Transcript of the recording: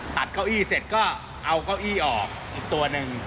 เก้าอี้เสร็จก็เอาเก้าอี้ออกอีกตัวหนึ่ง